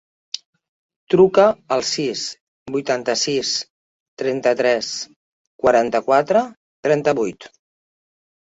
Truca al sis, vuitanta-sis, trenta-tres, quaranta-quatre, trenta-vuit.